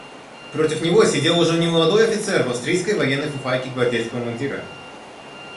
Против него сидел уже немолодой офицер в австрийской военной фуфайке гвардейского мундира.